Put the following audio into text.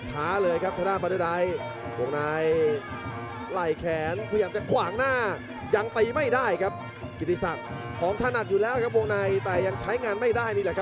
พยายามจะเปลี่ยนเข้าหาแล้วกับกิจิสัก